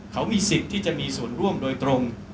เขามีสิทธิ์ที่จะมีส่วนร่วมโดยตรง